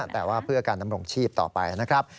แต่ว่าเพื่อการดำรงชีพต่อไปนะครับ